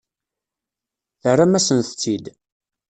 Terram-asent-tt-id.